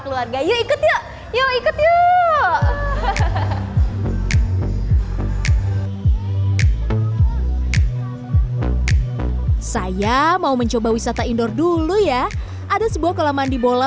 keluarga yuk ikut yuk yuk ikut yuk saya mau mencoba wisata indoor dulu ya ada sebuah kolam mandi bola